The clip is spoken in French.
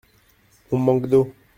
On manque d’eau.